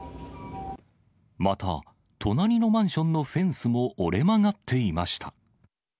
また、隣のマンションのフェンスも折れ曲がっていました。